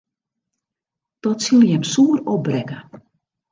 Dat sil jim soer opbrekke.